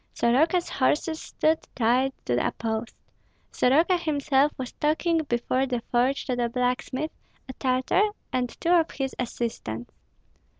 Soroka's horses stood tied to a post. Soroka himself was talking before the forge to the blacksmith, a Tartar, and two of his assistants.